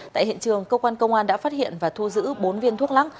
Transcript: tại hiện trường công an công an đã phát hiện và thu giữ bốn viên thuốc lắc